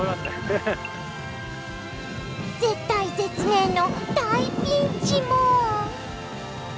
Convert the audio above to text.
絶体絶命の大ピンチも！？